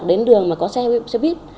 đến đường mà có xe buýt